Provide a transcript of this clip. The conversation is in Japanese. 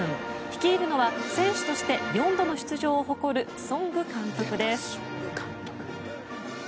率いるのは選手として４度の出場を誇るソング監督です。